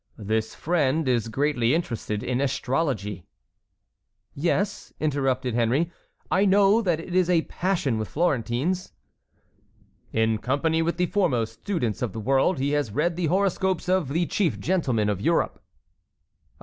This friend is greatly interested in astrology." "Yes," interrupted Henry, "I know that it is a passion with Florentines." "In company with the foremost students of the world he has read the horoscopes of the chief gentlemen of Europe." "Ah!